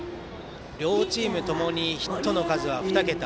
両チームともにヒットの数は２桁。